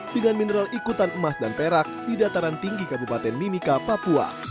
dengan mineral ikutan emas dan perak di dataran tinggi kabupaten mimika papua